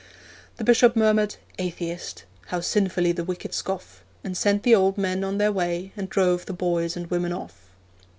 The bishop murmured, 'Atheist! How sinfully the wicked scoff!' And sent the old men on their way, And drove the boys and women off.